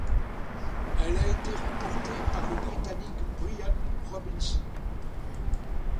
Elle a été remportée par le Britannique Brian Robinson.